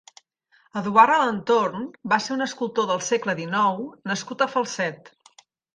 Eduard Alentorn va ser un escultor del segle dinou nascut a Falset.